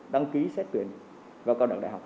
đăng ký xét tuyển vào cao đoạn đại học